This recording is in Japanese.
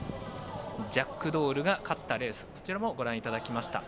ジャックドールが勝ったレースこちらもご覧いただきました。